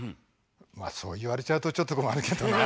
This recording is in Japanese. まあそう言われちゃうとちょっと困るけどなあ。